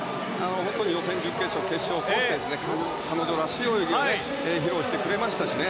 本当に予選、準決勝、決勝通して彼女らしい泳ぎを披露してくれましたしね。